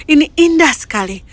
ini indah sekali